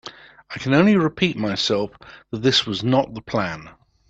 I can only repeat myself that this was not the plan.